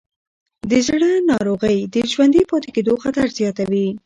د زړه ناروغۍ د ژوندي پاتې کېدو خطر زیاتوې.